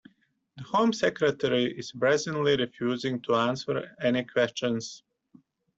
The Home Secretary is brazenly refusing to answer any questions